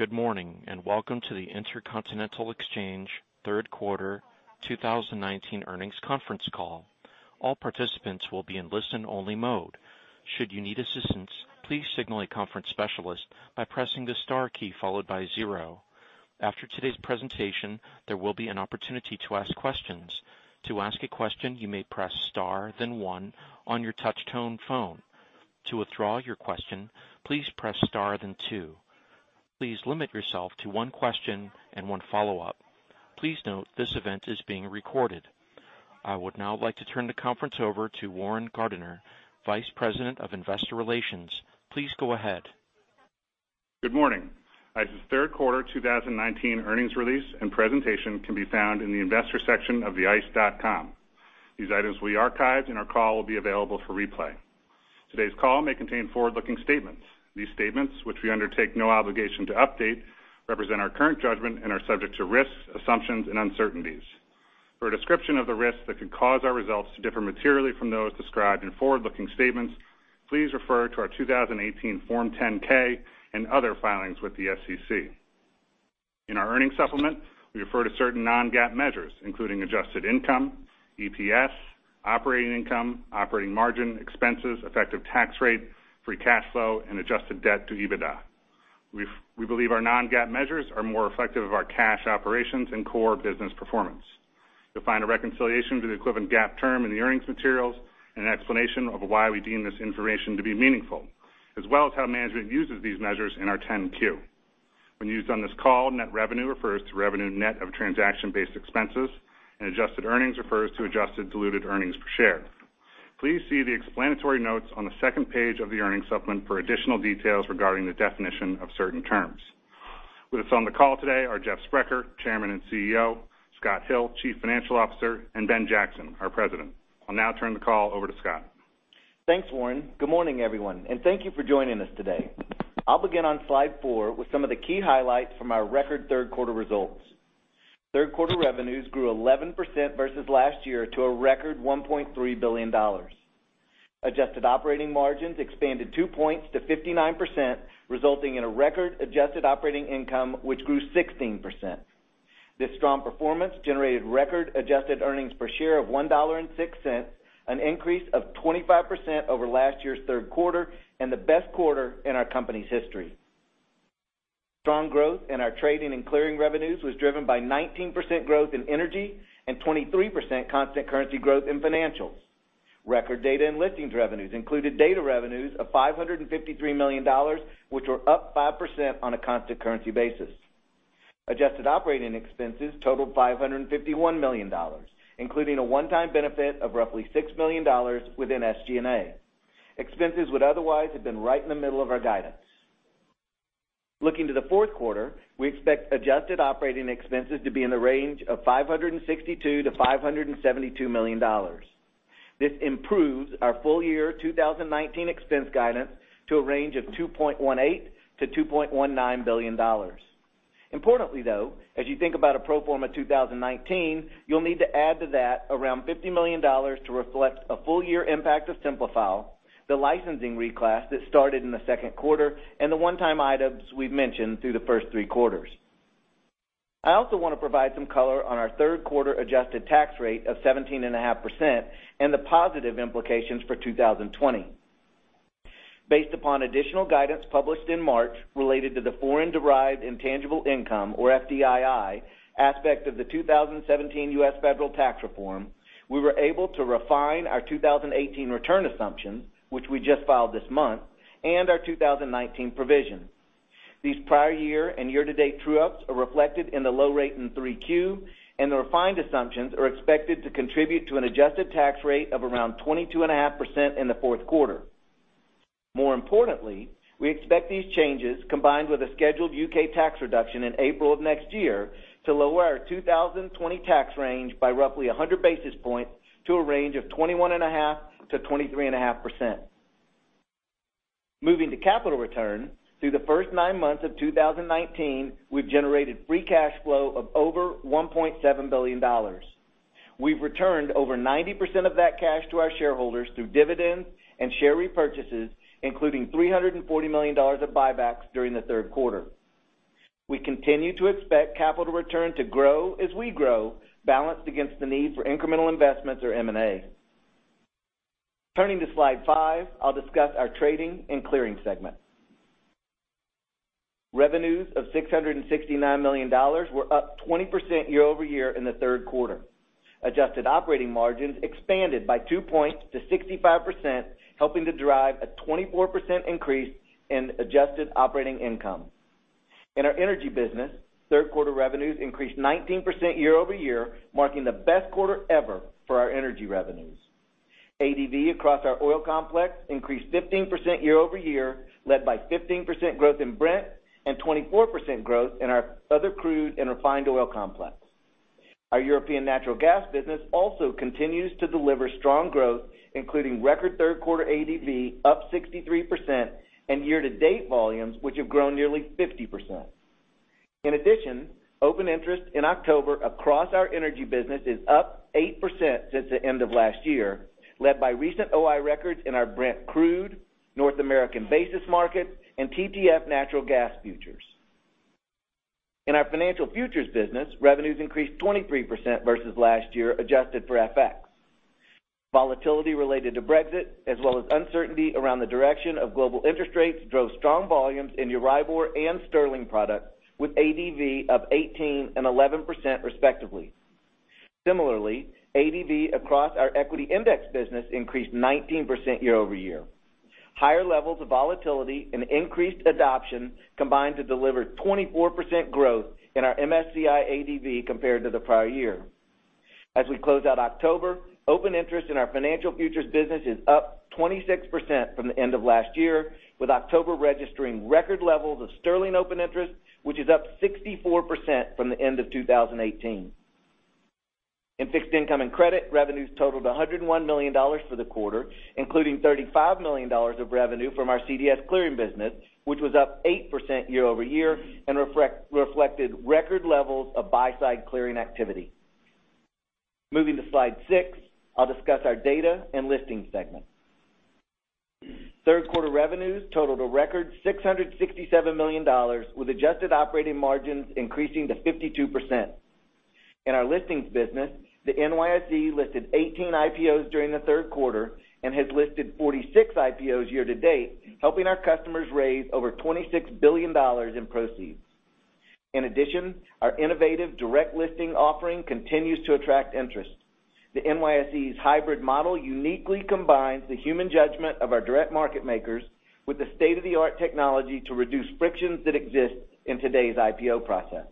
Good morning. Welcome to the Intercontinental Exchange third quarter 2019 earnings conference call. All participants will be in listen only mode. Should you need assistance, please signal a conference specialist by pressing the star key followed by 0. After today's presentation, there will be an opportunity to ask questions. To ask a question, you may press star, then 1 on your touchtone phone. To withdraw your question, please press star then 2. Please limit yourself to one question and one follow-up. Please note this event is being recorded. I would now like to turn the conference over to Warren Gardiner, Vice President of Investor Relations. Please go ahead. Good morning. ICE's third quarter 2019 earnings release and presentation can be found in the investor section of the ice.com. These items will be archived and our call will be available for replay. Today's call may contain forward-looking statements. These statements, which we undertake no obligation to update, represent our current judgment and are subject to risks, assumptions, and uncertainties. For a description of the risks that could cause our results to differ materially from those described in forward-looking statements, please refer to our 2018 Form 10-K and other filings with the SEC. In our earnings supplement, we refer to certain non-GAAP measures, including adjusted income, EPS, operating income, operating margin, expenses, effective tax rate, free cash flow, and adjusted debt to EBITDA. We believe our non-GAAP measures are more effective of our cash operations and core business performance. You'll find a reconciliation to the equivalent GAAP term in the earnings materials, and an explanation of why we deem this information to be meaningful, as well as how management uses these measures in our 10-Q. When used on this call, net revenue refers to revenue net of transaction-based expenses, and adjusted earnings refers to adjusted diluted earnings per share. Please see the explanatory notes on the second page of the earnings supplement for additional details regarding the definition of certain terms. With us on the call today are Jeff Sprecher, Chairman and CEO, Scott Hill, Chief Financial Officer, and Benjamin Jackson, our President. I'll now turn the call over to Scott. Thanks, Warren. Good morning, everyone, and thank you for joining us today. I'll begin on slide four with some of the key highlights from our record third quarter results. Third quarter revenues grew 11% versus last year to a record $1.3 billion. Adjusted operating margins expanded two points to 59%, resulting in a record adjusted operating income, which grew 16%. This strong performance generated record adjusted earnings per share of $1.06, an increase of 25% over last year's third quarter and the best quarter in our company's history. Strong growth in our trading and clearing revenues was driven by 19% growth in energy and 23% constant currency growth in financials. Record data and listings revenues included data revenues of $553 million, which were up 5% on a constant currency basis. Adjusted operating expenses totaled $551 million, including a one-time benefit of roughly $6 million within SG&A. Expenses would otherwise have been right in the middle of our guidance. Looking to the fourth quarter, we expect adjusted operating expenses to be in the range of $562 million-$572 million. This improves our full year 2019 expense guidance to a range of $2.18 billion-$2.19 billion. Importantly, though, as you think about a pro forma 2019, you'll need to add to that around $50 million to reflect a full year impact of Simplifile, the licensing reclass that started in the second quarter, and the one-time items we've mentioned through the first three quarters. I also want to provide some color on our third quarter adjusted tax rate of 17.5% and the positive implications for 2020. Based upon additional guidance published in March related to the foreign-derived intangible income, or FDII, aspect of the 2017 U.S. federal tax reform, we were able to refine our 2018 return assumptions, which we just filed this month, and our 2019 provision. These prior year and year-to-date true-ups are reflected in the low rate in 3Q, and the refined assumptions are expected to contribute to an adjusted tax rate of around 22.5% in the fourth quarter. More importantly, we expect these changes, combined with a scheduled U.K. tax reduction in April of next year, to lower our 2020 tax range by roughly 100 basis points to a range of 21.5%-23.5%. Moving to capital return. Through the first nine months of 2019, we've generated free cash flow of over $1.7 billion. We've returned over 90% of that cash to our shareholders through dividends and share repurchases, including $340 million of buybacks during the third quarter. We continue to expect capital return to grow as we grow, balanced against the need for incremental investments or M&A. Turning to slide five, I'll discuss our trading and clearing segment. Revenues of $669 million were up 20% year-over-year in the third quarter. Adjusted operating margins expanded by two points to 65%, helping to drive a 24% increase in adjusted operating income. In our energy business, third quarter revenues increased 19% year-over-year, marking the best quarter ever for our energy revenues. ADV across our oil complex increased 15% year-over-year, led by 15% growth in Brent and 24% growth in our other crude and refined oil complex. Our European natural gas business also continues to deliver strong growth, including record third quarter ADV up 63%, and year-to-date volumes, which have grown nearly 50%. In addition, open interest in October across our energy business is up 8% since the end of last year, led by recent OI records in our Brent Crude, North American Basis Market, and TTF Natural Gas Futures. In our financial futures business, revenues increased 23% versus last year, adjusted for FX. Volatility related to Brexit, as well as uncertainty around the direction of global interest rates, drove strong volumes in EURIBOR and sterling products, with ADV of 18% and 11%, respectively. Similarly, ADV across our equity index business increased 19% year-over-year. Higher levels of volatility and increased adoption combined to deliver 24% growth in our MSCI ADV compared to the prior year. As we close out October, open interest in our financial futures business is up 26% from the end of last year, with October registering record levels of sterling open interest, which is up 64% from the end of 2018. In fixed income and credit, revenues totaled $101 million for the quarter, including $35 million of revenue from our CDS clearing business, which was up 8% year-over-year and reflected record levels of buy-side clearing activity. Moving to slide six, I'll discuss our Data and Listings segment. Third quarter revenues totaled a record $667 million, with adjusted operating margins increasing to 52%. In our listings business, the NYSE listed 18 IPOs during the third quarter and has listed 46 IPOs year-to-date, helping our customers raise over $26 billion in proceeds. In addition, our innovative direct listing offering continues to attract interest. The NYSE's hybrid model uniquely combines the human judgment of our direct market makers with the state-of-the-art technology to reduce frictions that exist in today's IPO process.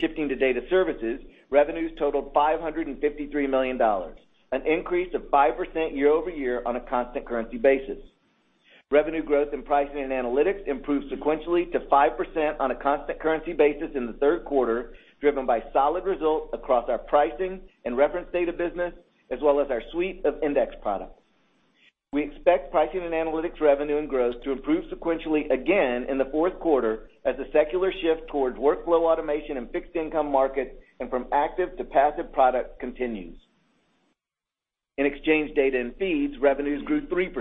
Shifting to Data Services, revenues totaled $553 million, an increase of 5% year-over-year on a constant currency basis. Revenue growth in Pricing and Analytics improved sequentially to 5% on a constant currency basis in the third quarter, driven by solid results across our Pricing and Reference Data business as well as our suite of index products. We expect Pricing and Analytics revenue and growth to improve sequentially again in the fourth quarter as the secular shift towards workflow automation and fixed income market, and from active to passive product continues. In Exchange Data and Feeds, revenues grew 3%.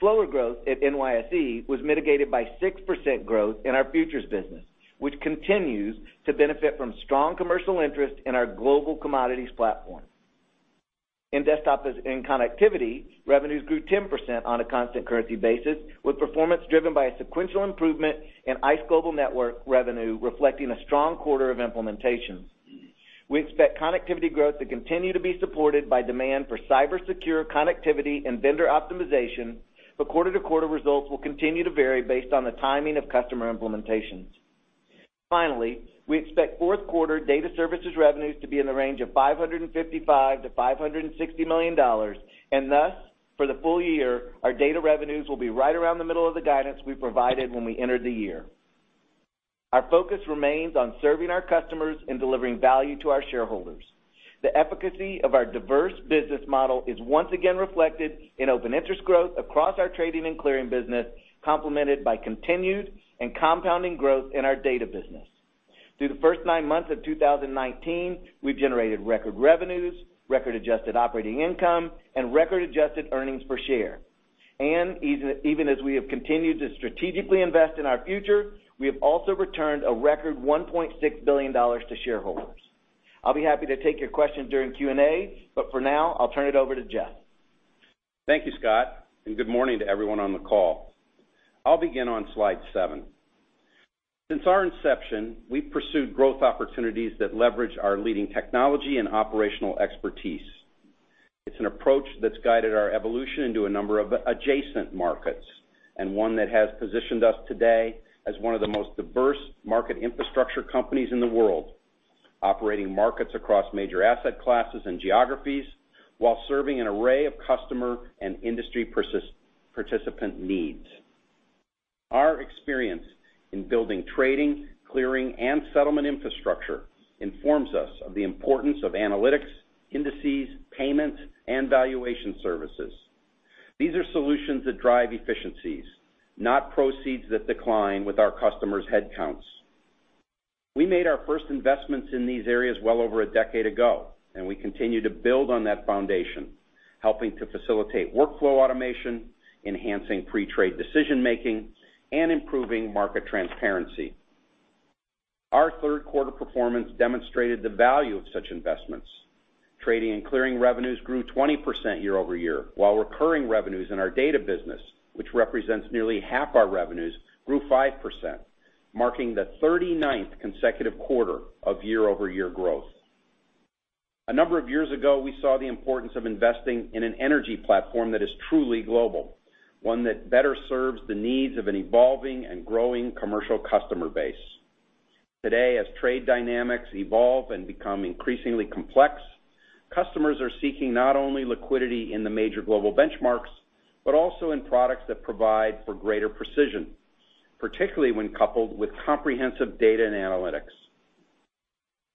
Slower growth at NYSE was mitigated by 6% growth in our futures business, which continues to benefit from strong commercial interest in our global commodities platform. In desktop as in connectivity, revenues grew 10% on a constant currency basis, with performance driven by a sequential improvement in ICE Global Network revenue reflecting a strong quarter of implementation. We expect connectivity growth to continue to be supported by demand for cyber-secure connectivity and vendor optimization, but quarter-to-quarter results will continue to vary based on the timing of customer implementations. Finally, we expect fourth quarter data services revenues to be in the range of $555 million-$560 million, and thus, for the full year, our data revenues will be right around the middle of the guidance we provided when we entered the year. Our focus remains on serving our customers and delivering value to our shareholders. The efficacy of our diverse business model is once again reflected in open interest growth across our trading and clearing business, complemented by continued and compounding growth in our data business. Through the first nine months of 2019, we've generated record revenues, record adjusted operating income, and record adjusted earnings per share. Even as we have continued to strategically invest in our future, we have also returned a record $1.6 billion to shareholders. I'll be happy to take your questions during Q&A, but for now, I'll turn it over to Jeff. Thank you, Scott, and good morning to everyone on the call. I'll begin on slide seven. Since our inception, we've pursued growth opportunities that leverage our leading technology and operational expertise. It's an approach that's guided our evolution into a number of adjacent markets, and one that has positioned us today as one of the most diverse market infrastructure companies in the world, operating markets across major asset classes and geographies while serving an array of customer and industry participant needs. Our experience in building trading, clearing, and settlement infrastructure informs us of the importance of analytics, indices, payments, and valuation services. These are solutions that drive efficiencies, not proceeds that decline with our customers' headcounts. We made our first investments in these areas well over a decade ago, and we continue to build on that foundation, helping to facilitate workflow automation, enhancing pre-trade decision-making, and improving market transparency. Our third quarter performance demonstrated the value of such investments. Trading and clearing revenues grew 20% year-over-year, while recurring revenues in our data business, which represents nearly half our revenues, grew 5%, marking the 39th consecutive quarter of year-over-year growth. A number of years ago, we saw the importance of investing in an energy platform that is truly global, one that better serves the needs of an evolving and growing commercial customer base. Today, as trade dynamics evolve and become increasingly complex, customers are seeking not only liquidity in the major global benchmarks, but also in products that provide for greater precision, particularly when coupled with comprehensive data and analytics.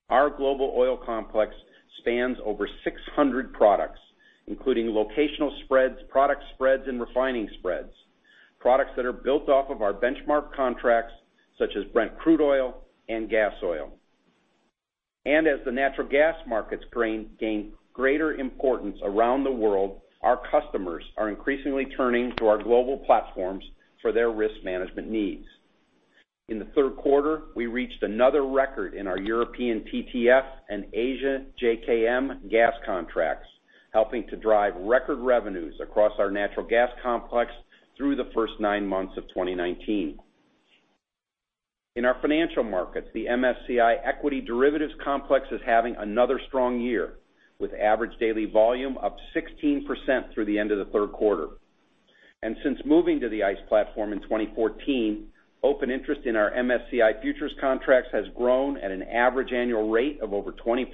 Our global oil complex spans over 600 products, including locational spreads, product spreads, and refining spreads. Products that are built off of our benchmark contracts, such as Brent Crude and Gasoil. As the natural gas markets gain greater importance around the world, our customers are increasingly turning to our global platforms for their risk management needs. In the third quarter, we reached another record in our European TTF and Asia JKM gas contracts, helping to drive record revenues across our natural gas complex through the first nine months of 2019. In our financial markets, the MSCI equity derivatives complex is having another strong year, with average daily volume up 16% through the end of the third quarter. Since moving to the ICE platform in 2014, open interest in our MSCI futures contracts has grown at an average annual rate of over 20%.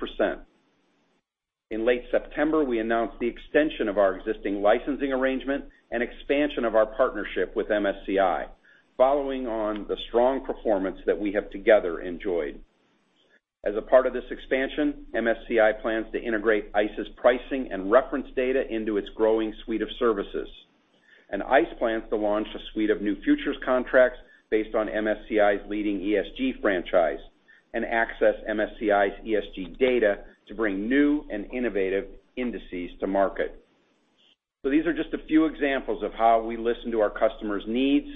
In late September, we announced the extension of our existing licensing arrangement and expansion of our partnership with MSCI, following on the strong performance that we have together enjoyed. As a part of this expansion, MSCI plans to integrate ICE's pricing and reference data into its growing suite of services. ICE plans to launch a suite of new futures contracts based on MSCI's leading ESG franchise and access MSCI's ESG data to bring new and innovative indices to market. These are just a few examples of how we listen to our customers' needs,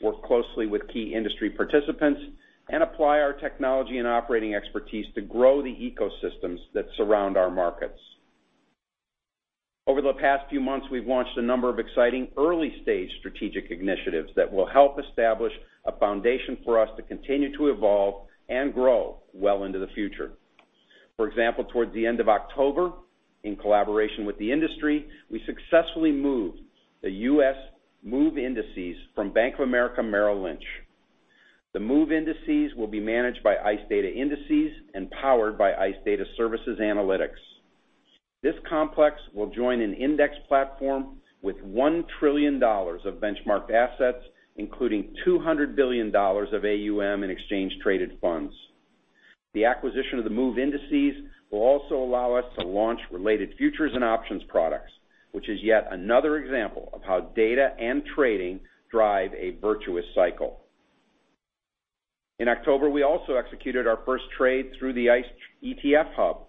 work closely with key industry participants, and apply our technology and operating expertise to grow the ecosystems that surround our markets. Over the past few months, we've launched a number of exciting early-stage strategic initiatives that will help establish a foundation for us to continue to evolve and grow well into the future. For example, towards the end of October, in collaboration with the industry, we successfully moved the U.S. MOVE Indices from Bank of America Merrill Lynch. The MOVE Indices will be managed by ICE Data Indices and powered by ICE Data Services Analytics. This complex will join an index platform with $1 trillion of benchmarked assets, including $200 billion of AUM in exchange traded funds. The acquisition of the MOVE Indices will also allow us to launch related futures and options products, which is yet another example of how data and trading drive a virtuous cycle. In October, we also executed our first trade through the ICE ETF Hub.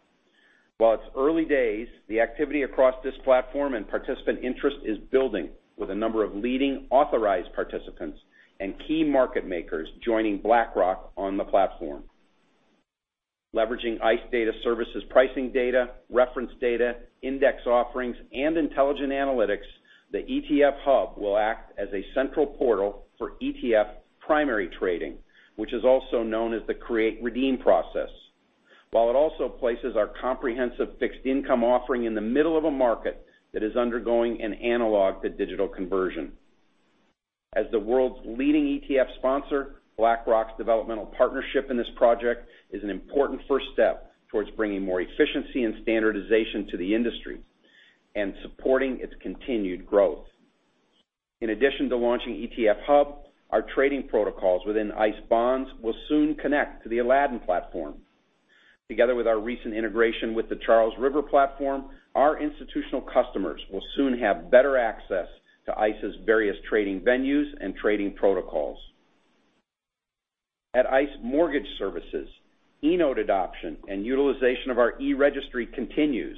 While it's early days, the activity across this platform and participant interest is building, with a number of leading authorized participants and key market makers joining BlackRock on the platform. Leveraging ICE Data Services pricing data, reference data, index offerings, and intelligent analytics, the ETF Hub will act as a central portal for ETF primary trading, which is also known as the create-redeem process. While it also places our comprehensive fixed income offering in the middle of a market that is undergoing an analog-to-digital conversion. As the world's leading ETF sponsor, BlackRock's developmental partnership in this project is an important first step towards bringing more efficiency and standardization to the industry and supporting its continued growth. In addition to launching ETF Hub, our trading protocols within ICE Bonds will soon connect to the Aladdin platform. Together with our recent integration with the Charles River platform, our institutional customers will soon have better access to ICE's various trading venues and trading protocols. At ICE Mortgage Technology, eNote adoption and utilization of our eRegistry continues.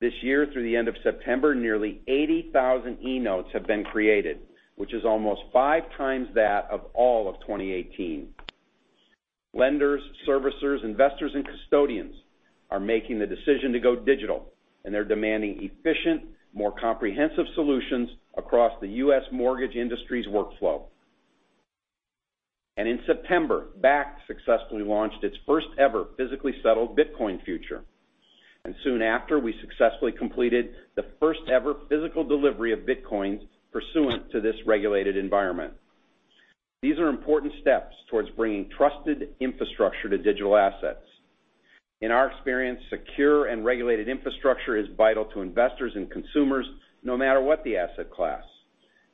This year, through the end of September, nearly 80,000 eNotes have been created, which is almost five times that of all of 2018. Lenders, servicers, investors, and custodians are making the decision to go digital, they're demanding efficient, more comprehensive solutions across the U.S. mortgage industry's workflow. In September, Bakkt successfully launched its first ever physically settled Bitcoin future. Soon after, we successfully completed the first ever physical delivery of Bitcoin pursuant to this regulated environment. These are important steps towards bringing trusted infrastructure to digital assets. In our experience, secure and regulated infrastructure is vital to investors and consumers, no matter what the asset class.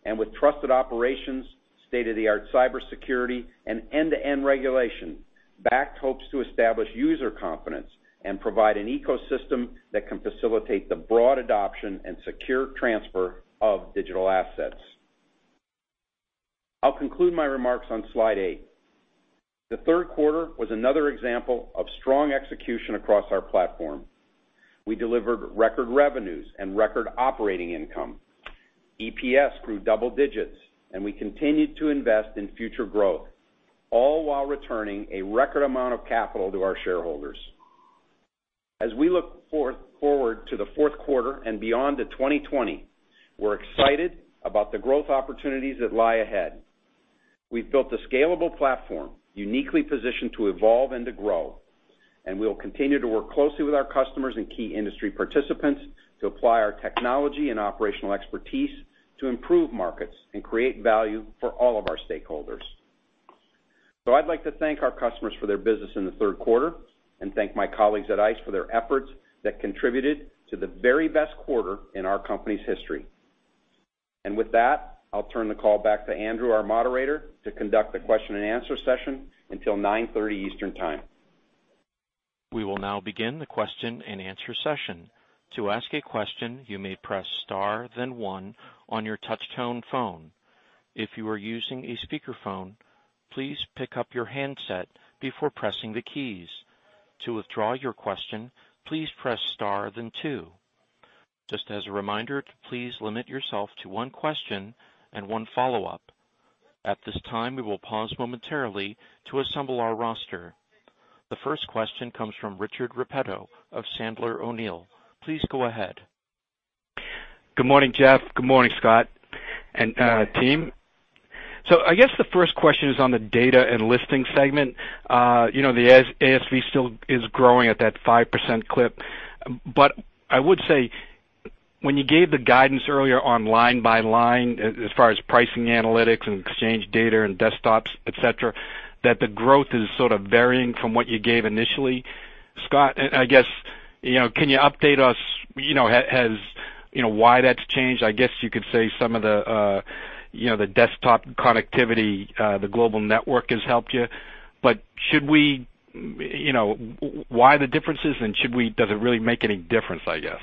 With trusted operations, state-of-the-art cybersecurity, and end-to-end regulation, Bakkt hopes to establish user confidence and provide an ecosystem that can facilitate the broad adoption and secure transfer of digital assets. I'll conclude my remarks on slide eight. The third quarter was another example of strong execution across our platform. We delivered record revenues and record operating income. EPS grew double digits, and we continued to invest in future growth, all while returning a record amount of capital to our shareholders. As we look forward to the fourth quarter and beyond to 2020, we're excited about the growth opportunities that lie ahead. We've built a scalable platform, uniquely positioned to evolve and to grow, and we'll continue to work closely with our customers and key industry participants to apply our technology and operational expertise to improve markets and create value for all of our stakeholders. I'd like to thank our customers for their business in the third quarter, and thank my colleagues at ICE for their efforts that contributed to the very best quarter in our company's history. With that, I'll turn the call back to Andrew, our moderator, to conduct the question and answer session until 9:30 Eastern Time. We will now begin the question and answer session. To ask a question, you may press star then one on your touch-tone phone. If you are using a speakerphone, please pick up your handset before pressing the keys. To withdraw your question, please press star then two. Just as a reminder, to please limit yourself to one question and one follow-up. At this time, we will pause momentarily to assemble our roster. The first question comes from Richard Repetto of Sandler O'Neill. Please go ahead. Good morning, Jeff. Good morning, Scott and team. I guess the first question is on the data and listing segment. The ASV still is growing at that 5% clip. I would say, when you gave the guidance earlier on line by line as far as Pricing and Analytics and exchange data and desktops, et cetera, that the growth is sort of varying from what you gave initially. Scott, I guess, can you update us, why that's changed? I guess you could say some of the desktop connectivity, the Global Network has helped you. Why the differences, and does it really make any difference, I guess?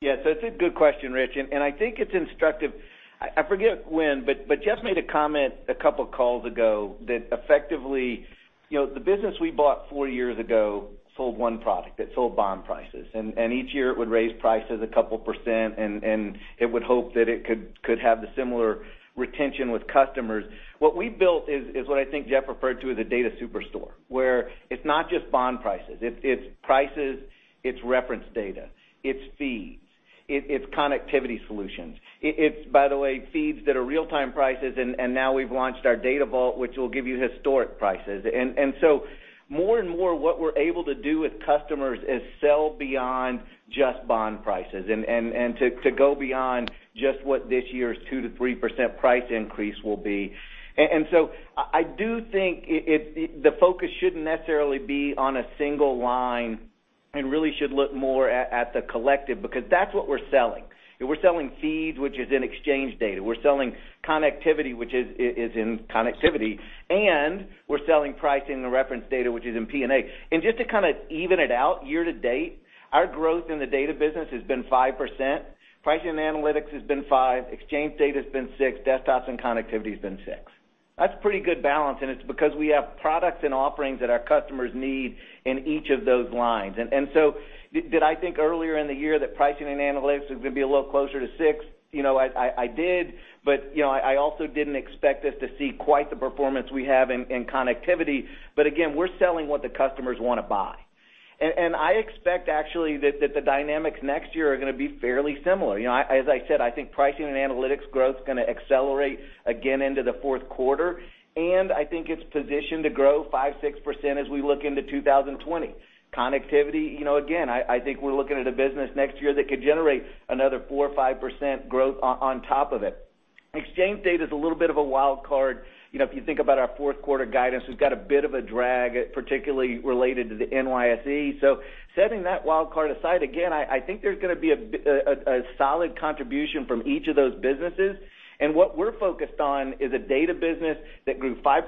Yes, that's a good question, Rich. I think it's instructive. I forget when, Jeff made a comment a couple of calls ago that effectively, the business we bought four years ago sold one product. It sold bond prices, each year it would raise prices a couple %, and it would hope that it could have the similar retention with customers. What we've built is what I think Jeff referred to as a data superstore, where it's not just bond prices. It's prices, it's reference data, it's feeds, it's connectivity solutions. It's, by the way, feeds that are real-time prices. Now we've launched our ICE DataVault, which will give you historic prices. More and more, what we're able to do with customers is sell beyond just bond prices and to go beyond just what this year's 2%-3% price increase will be. I do think the focus shouldn't necessarily be on a single line and really should look more at the collective because that's what we're selling. We're selling feeds, which is in exchange data. We're selling connectivity, which is in connectivity. We're selling pricing and reference data, which is in P&A. Just to kind of even it out year-to-date, our growth in the data business has been 5%. Pricing analytics has been 5%, exchange data's been 6%, desktops and connectivity's been 6%. That's pretty good balance, and it's because we have products and offerings that our customers need in each of those lines. Did I think earlier in the year that pricing and analytics was going to be a little closer to 6%? I did, but I also didn't expect us to see quite the performance we have in connectivity. Again, we're selling what the customers want to buy. I expect, actually, that the dynamics next year are going to be fairly similar. As I said, I think Pricing and Analytics growth is going to accelerate again into the fourth quarter, and I think it's positioned to grow 5%, 6% as we look into 2020. Connectivity, again, I think we're looking at a business next year that could generate another 4% or 5% growth on top of it. Exchange Data's a little bit of a wild card. If you think about our fourth quarter guidance, we've got a bit of a drag, particularly related to the NYSE. Setting that wild card aside, again, I think there's going to be a solid contribution from each of those businesses. What we're focused on is a data business that grew 5%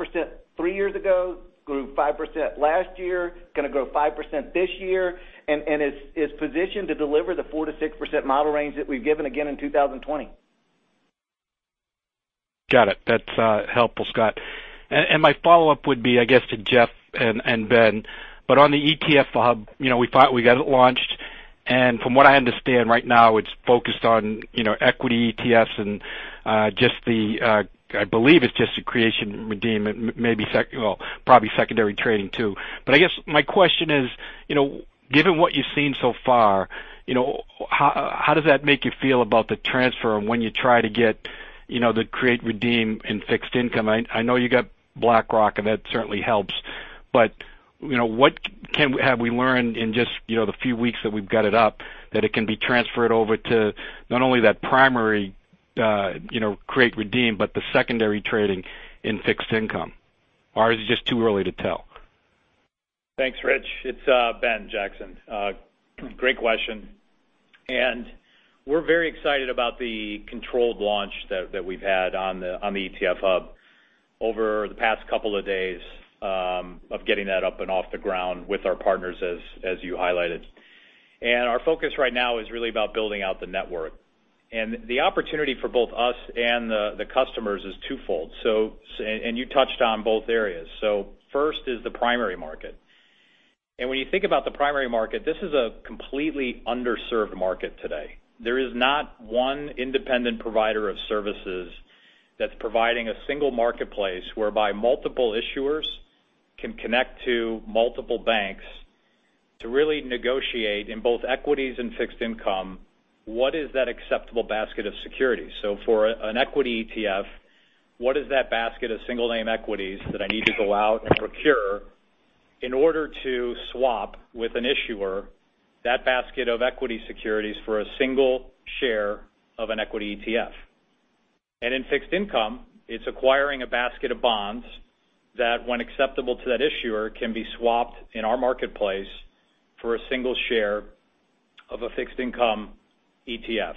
three years ago, grew 5% last year, going to grow 5% this year, and is positioned to deliver the 4%-6% model range that we've given again in 2020. Got it. That's helpful, Scott. My follow-up would be, I guess, to Jeff and Ben. On the ICE ETF Hub, we got it launched, and from what I understand right now, it's focused on equity ETFs and I believe it's just the creation, redeem, and probably secondary trading, too. I guess my question is, given what you've seen so far, how does that make you feel about the transfer of when you try to get the create, redeem in fixed income? I know you got BlackRock, and that certainly helps, but what have we learned in just the few weeks that we've got it up that it can be transferred over to not only that primary create, redeem, but the secondary trading in fixed income? Is it just too early to tell? Thanks, Rich. It's Ben Jackson. Great question. We're very excited about the controlled launch that we've had on the ETF Hub over the past couple of days of getting that up and off the ground with our partners, as you highlighted. Our focus right now is really about building out the network. The opportunity for both us and the customers is twofold, and you touched on both areas. First is the primary market. When you think about the primary market, this is a completely underserved market today. There is not one independent provider of services that's providing a single marketplace whereby multiple issuers can connect to multiple banks to really negotiate in both equities and fixed income, what is that acceptable basket of securities? For an equity ETF, what is that basket of single name equities that I need to go out and procure in order to swap with an issuer that basket of equity securities for a single share of an equity ETF? In fixed income, it's acquiring a basket of bonds that, when acceptable to that issuer, can be swapped in our marketplace for a single share of a fixed income ETF.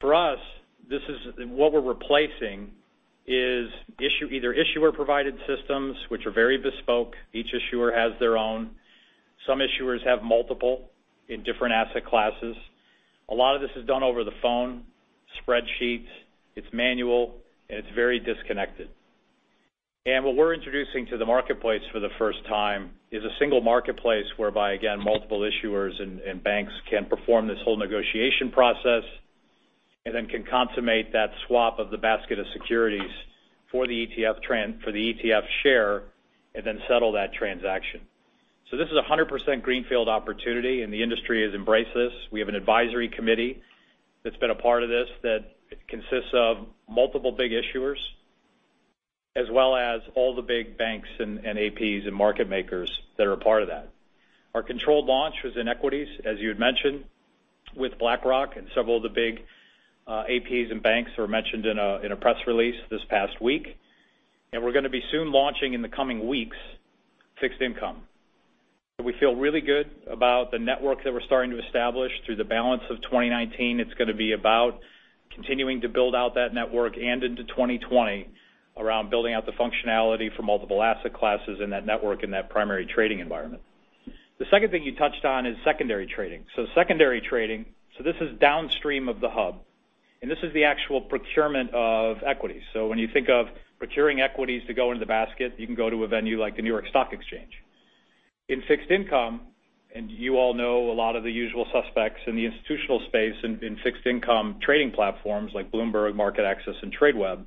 What we're replacing is either issuer-provided systems, which are very bespoke. Each issuer has their own. Some issuers have multiple in different asset classes. A lot of this is done over the phone, spreadsheets. It's manual, and it's very disconnected. What we're introducing to the marketplace for the first time is a single marketplace whereby, again, multiple issuers and banks can perform this whole negotiation process, and then can consummate that swap of the basket of securities for the ETF share, and then settle that transaction. This is 100% greenfield opportunity, and the industry has embraced this. We have an advisory committee that's been a part of this that consists of multiple big issuers, as well as all the big banks and APs and market makers that are a part of that. Our controlled launch was in equities, as you had mentioned, with BlackRock, and several of the big APs and banks who were mentioned in a press release this past week. We're going to be soon launching in the coming weeks, fixed income. We feel really good about the network that we're starting to establish through the balance of 2019. It's going to be about continuing to build out that network and into 2020 around building out the functionality for multiple asset classes in that network, in that primary trading environment. The second thing you touched on is secondary trading. Secondary trading, so this is downstream of the hub, and this is the actual procurement of equities. When you think of procuring equities to go into the basket, you can go to a venue like the New York Stock Exchange. In fixed income, you all know a lot of the usual suspects in the institutional space in fixed income trading platforms like Bloomberg, MarketAxess, and Tradeweb.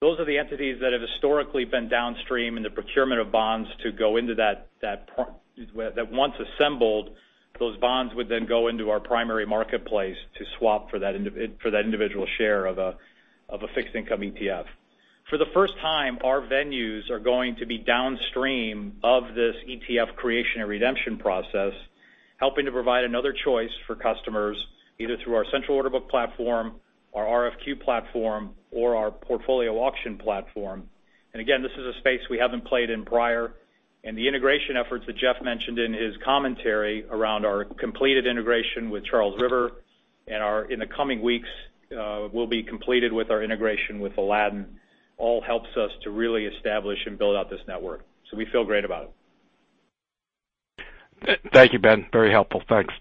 Those are the entities that have historically been downstream in the procurement of bonds to go into that-- Once assembled, those bonds would then go into our primary marketplace to swap for that individual share of a fixed income ETF. For the first time, our venues are going to be downstream of this ETF creation and redemption process, helping to provide another choice for customers, either through our central order book platform, our RFQ platform, or our portfolio auction platform. Again, this is a space we haven't played in prior. The integration efforts that Jeff mentioned in his commentary around our completed integration with Charles River, and in the coming weeks, will be completed with our integration with Aladdin, all helps us to really establish and build out this network. We feel great about it. Thank you, Ben. Very helpful. Thanks.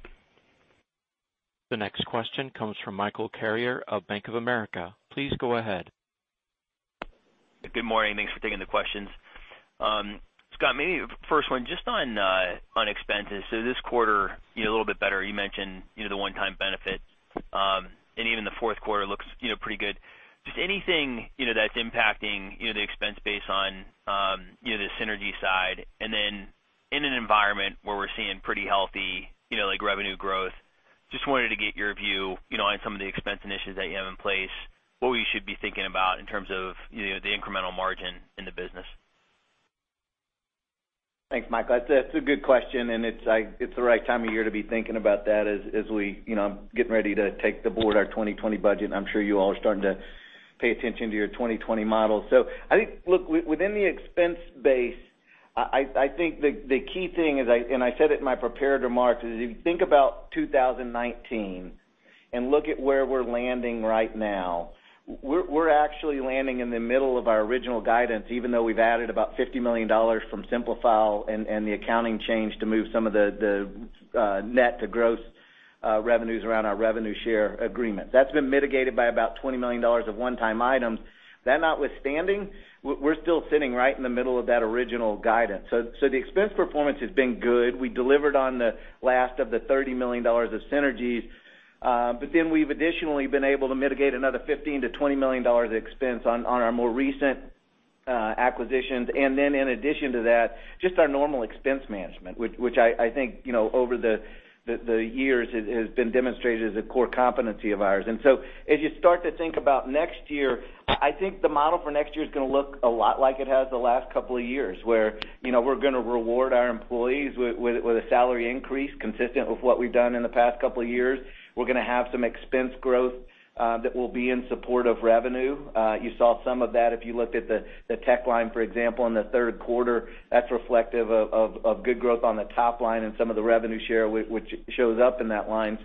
The next question comes from Michael Carrier of Bank of America. Please go ahead. Good morning. Thanks for taking the questions. Scott, maybe first one, just on expenses. This quarter, a little bit better. You mentioned the one-time benefit, and even the fourth quarter looks pretty good. Just anything that's impacting the expense base on the synergy side, and then in an environment where we're seeing pretty healthy revenue growth, just wanted to get your view on some of the expense initiatives that you have in place, what we should be thinking about in terms of the incremental margin in the business? Thanks, Michael. That's a good question, and it's the right time of year to be thinking about that as I'm getting ready to take to board our 2020 budget, and I'm sure you all are starting to pay attention to your 2020 models. I think, look, within the expense base, I think the key thing is, and I said it in my prepared remarks, is if you think about 2019 and look at where we're landing right now, we're actually landing in the middle of our original guidance, even though we've added about $50 million from Simplifile and the accounting change to move some of the net to gross revenues around our revenue share agreement. That's been mitigated by about $20 million of one-time items. That notwithstanding, we're still sitting right in the middle of that original guidance. The expense performance has been good. We delivered on the last of the $30 million of synergies. We've additionally been able to mitigate another $15 million-$20 million of expense on our more recent acquisitions. In addition to that, just our normal expense management, which I think over the years has been demonstrated as a core competency of ours. As you start to think about next year, I think the model for next year is going to look a lot like it has the last couple of years, where we're going to reward our employees with a salary increase consistent with what we've done in the past couple of years. We're going to have some expense growth that will be in support of revenue. You saw some of that if you looked at the tech line, for example, in the third quarter. That's reflective of good growth on the top line and some of the revenue share, which shows up in that line.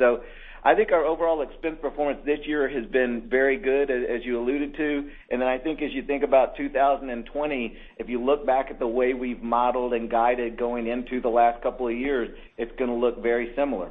I think our overall expense performance this year has been very good, as you alluded to. I think as you think about 2020, if you look back at the way we've modeled and guided going into the last couple of years, it's going to look very similar.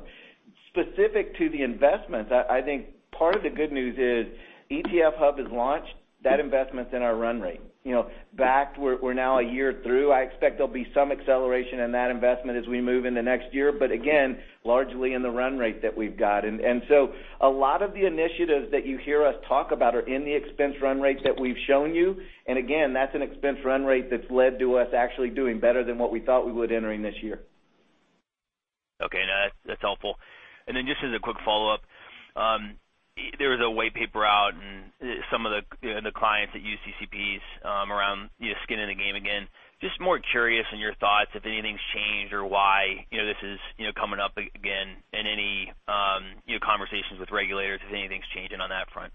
Specific to the investments, I think part of the good news is ETF Hub is launched. That investment's in our run rate. Bakkt, we're now a year through. I expect there'll be some acceleration in that investment as we move into next year, but again, largely in the run rate that we've got. A lot of the initiatives that you hear us talk about are in the expense run rate that we've shown you. Again, that's an expense run rate that's led to us actually doing better than what we thought we would entering this year. Okay. No, that's helpful. Just as a quick follow-up. There was a white paper out and some of the clients that use CCPs around skin in the game again. Just more curious in your thoughts if anything's changed or why this is coming up again in any conversations with regulators, if anything's changing on that front.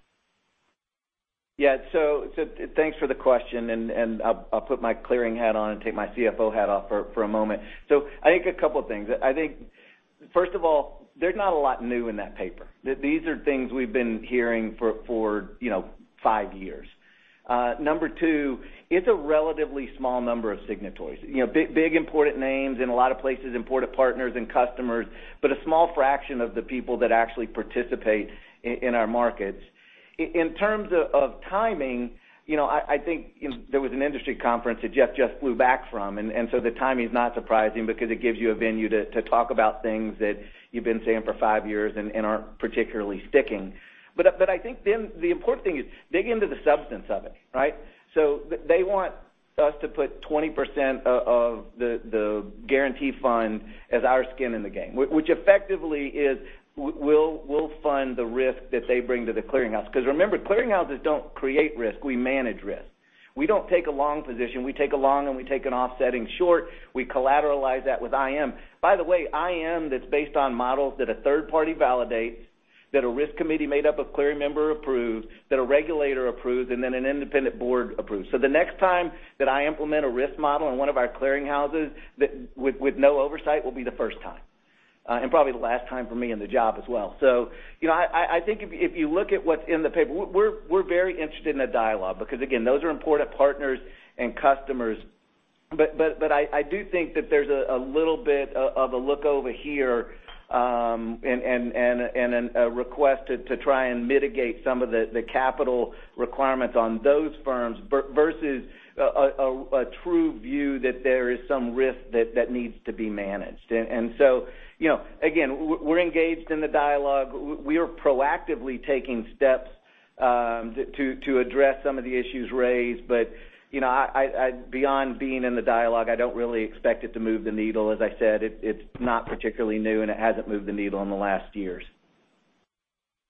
Yeah. Thanks for the question, and I'll put my clearing hat on and take my CFO hat off for a moment. I think a couple of things. I think, first of all, there's not a lot new in that paper. These are things we've been hearing for five years. Number two, it's a relatively small number of signatories. Big, important names in a lot of places, important partners and customers, but a small fraction of the people that actually participate in our markets. In terms of timing, I think there was an industry conference that Jeff just flew back from, the timing is not surprising because it gives you a venue to talk about things that you've been saying for five years and aren't particularly sticking. I think then the important thing is dig into the substance of it, right? They want us to put 20% of the guarantee fund as our skin in the game, which effectively is, we'll fund the risk that they bring to the clearing house. Remember, clearing houses don't create risk, we manage risk. We don't take a long position. We take a long and we take an offsetting short. We collateralize that with IM. By the way, IM that's based on models that a third party validates, that a risk committee made up of clearing member approves, that a regulator approves, and then an independent board approves. The next time that I implement a risk model in one of our clearing houses with no oversight will be the first time, and probably the last time for me in the job as well. I think if you look at what's in the paper, we're very interested in a dialogue because, again, those are important partners and customers. I do think that there's a little bit of a look over here, and a request to try and mitigate some of the capital requirements on those firms versus a true view that there is some risk that needs to be managed. Again, we're engaged in the dialogue. We are proactively taking steps to address some of the issues raised. Beyond being in the dialogue, I don't really expect it to move the needle. As I said, it's not particularly new, and it hasn't moved the needle in the last years.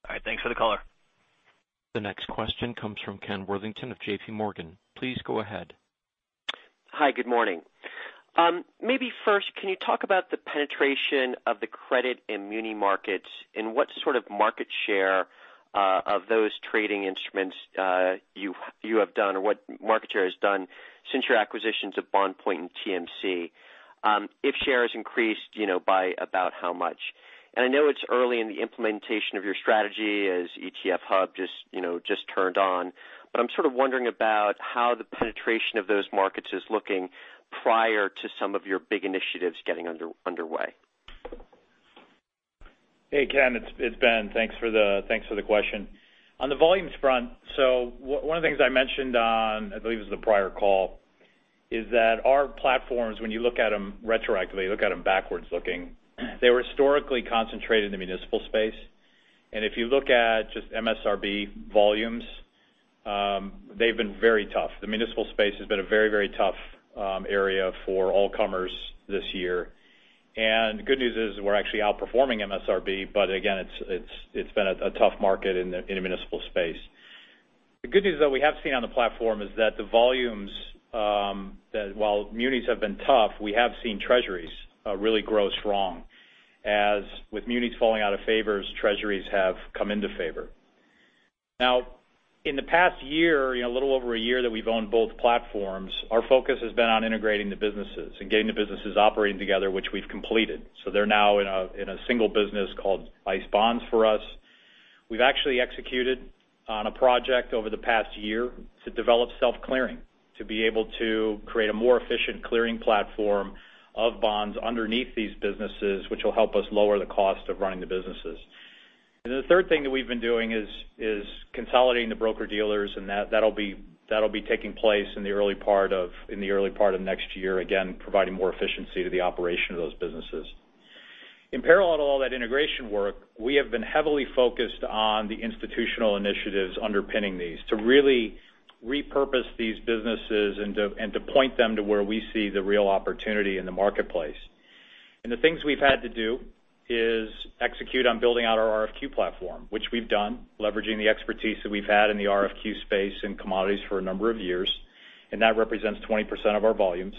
All right. Thanks for the color. The next question comes from Ken Worthington of JPMorgan. Please go ahead. Hi, good morning. Maybe first, can you talk about the penetration of the credit and muni markets and what sort of market share of those trading instruments you have done, or what market share has done since your acquisitions of BondPoint and TMC? If share has increased by about how much? I know it's early in the implementation of your strategy as ETF Hub just turned on. I'm sort of wondering about how the penetration of those markets is looking prior to some of your big initiatives getting underway. Hey, Ken, it's Ben. Thanks for the question. On the volumes front, one of the things I mentioned on, I believe it was the prior call, is that our platforms, when you look at them retroactively, look at them backwards looking, they were historically concentrated in the municipal space. If you look at just MSRB volumes, they've been very tough. The municipal space has been a very, very tough area for all comers this year. The good news is we're actually outperforming MSRB, but again, it's been a tough market in the municipal space. The good news that we have seen on the platform is that the volumes, that while munis have been tough, we have seen Treasuries really grow strong, as with munis falling out of favor as Treasuries have come into favor. Now, in the past year, a little over a year that we've owned both platforms, our focus has been on integrating the businesses and getting the businesses operating together, which we've completed. They're now in a single business called ICE Bonds for us. We've actually executed on a project over the past year to develop self-clearing, to be able to create a more efficient clearing platform of bonds underneath these businesses, which will help us lower the cost of running the businesses. The third thing that we've been doing is consolidating the broker-dealers, and that'll be taking place in the early part of next year, again, providing more efficiency to the operation of those businesses. In parallel to all that integration work, we have been heavily focused on the institutional initiatives underpinning these to really repurpose these businesses and to point them to where we see the real opportunity in the marketplace. The things we've had to do is execute on building out our RFQ platform, which we've done, leveraging the expertise that we've had in the RFQ space and commodities for a number of years, and that represents 20% of our volumes.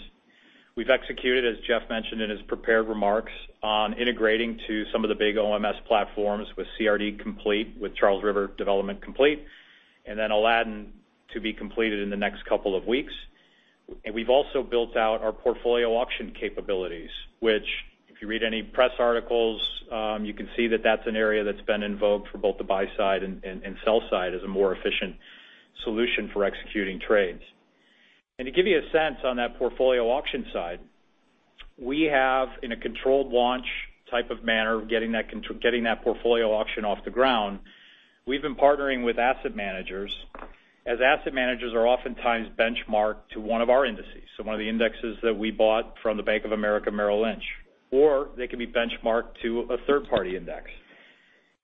We've executed, as Jeff mentioned in his prepared remarks, on integrating to some of the big OMS platforms with CRD complete, with Charles River Development complete, and then Aladdin to be completed in the next couple of weeks. We've also built out our portfolio auction capabilities, which if you read any press articles, you can see that that's an area that's been invoked for both the buy side and sell side as a more efficient solution for executing trades. To give you a sense on that portfolio auction side, we have, in a controlled launch type of manner of getting that portfolio auction off the ground, we've been partnering with asset managers, as asset managers are oftentimes benchmarked to one of our indices. One of the indexes that we bought from the Bank of America Merrill Lynch, or they could be benchmarked to a third-party index.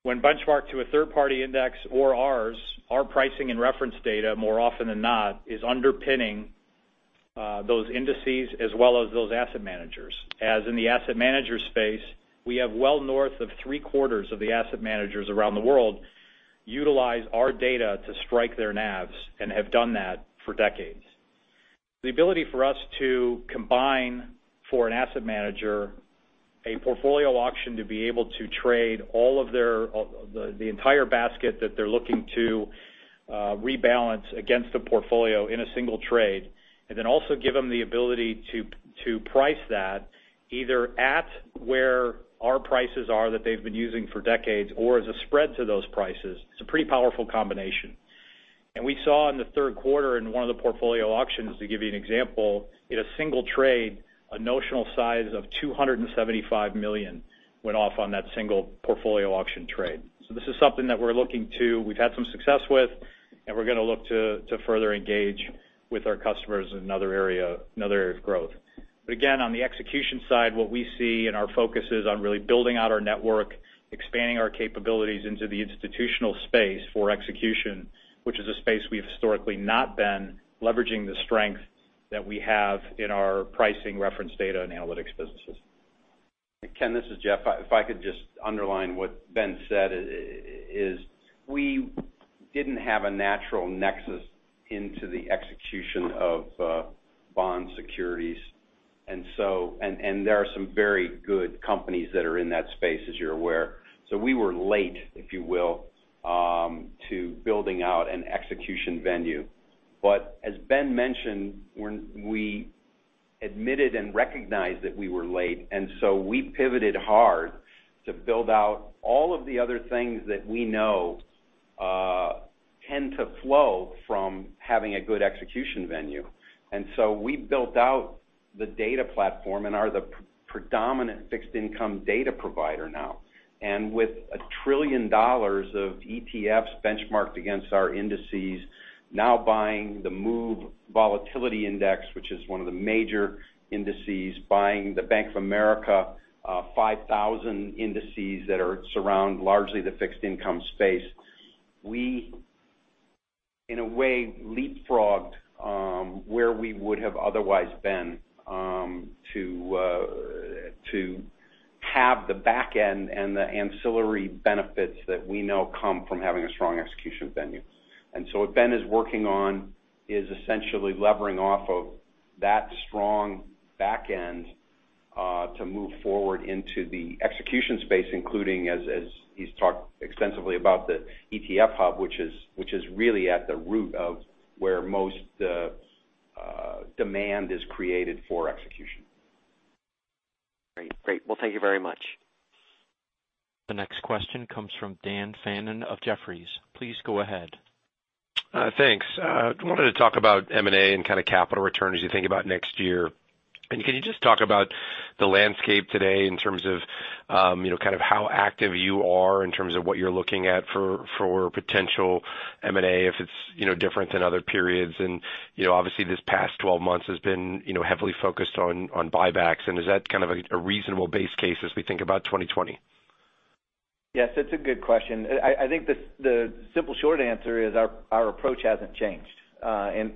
When benchmarked to a third-party index or ours, our pricing and reference data, more often than not, is underpinning those indices as well as those asset managers. As in the asset manager space, we have well north of three-quarters of the asset managers around the world utilize our data to strike their NAVs and have done that for decades. The ability for us to combine for an asset manager, a portfolio auction to be able to trade the entire basket that they're looking to rebalance against the portfolio in a single trade, and then also give them the ability to price that either at where our prices are that they've been using for decades or as a spread to those prices. It's a pretty powerful combination. We saw in the third quarter in one of the portfolio auctions, to give you an example, in a single trade, a notional size of $275 million went off on that single portfolio auction trade. This is something that we've had some success with, and we're going to look to further engage with our customers in another area of growth. Again, on the execution side, what we see and our focus is on really building out our network, expanding our capabilities into the institutional space for execution, which is a space we've historically not been leveraging the strength that we have in our pricing reference data and analytics businesses. Ken, this is Jeff. If I could just underline what Ben said, is we didn't have a natural nexus into the execution of bond securities. There are some very good companies that are in that space, as you're aware. We were late, if you will, to building out an execution venue. As Ben mentioned, we admitted and recognized that we were late, we pivoted hard to build out all of the other things that we know tend to flow from having a good execution venue. We built out the data platform and are the predominant fixed income data provider now. With $1 trillion of ETFs benchmarked against our indices, now buying the MOVE Index, which is one of the major indices, buying the Bank of America 5,000 indices that surround largely the fixed income space. We, in a way, leapfrogged where we would have otherwise been to have the back end and the ancillary benefits that we know come from having a strong execution venue. What Ben is working on is essentially levering off of that strong back end to move forward into the execution space, including, as he's talked extensively about, the ETF Hub, which is really at the root of where most demand is created for execution. Great. Well, thank you very much. The next question comes from Dan Fannon of Jefferies. Please go ahead. Thanks. I wanted to talk about M&A and kind of capital return as you think about next year. Can you just talk about the landscape today in terms of kind of how active you are in terms of what you're looking at for potential M&A, if it's different than other periods? Obviously, this past 12 months has been heavily focused on buybacks, and is that kind of a reasonable base case as we think about 2020? Yes, it's a good question. I think the simple short answer is our approach hasn't changed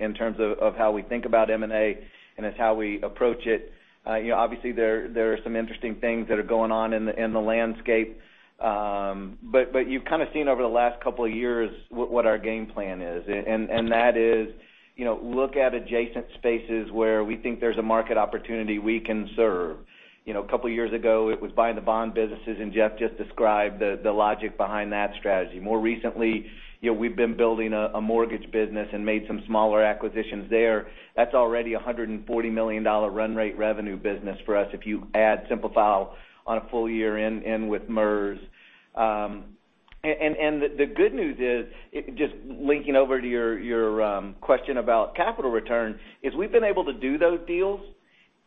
in terms of how we think about M&A and it's how we approach it. There are some interesting things that are going on in the landscape. You've kind of seen over the last couple of years what our game plan is, and that is look at adjacent spaces where we think there's a market opportunity we can serve. A couple of years ago, it was buying the bond businesses. Jeff just described the logic behind that strategy. More recently, we've been building a mortgage business and made some smaller acquisitions there. That's already a $140 million run rate revenue business for us if you add Simplifile on a full year in with MERS. The good news is, just linking over to your question about capital return, we've been able to do those deals